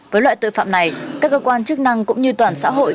với loại tội phạm này các cơ quan chức năng cũng như toàn xã hội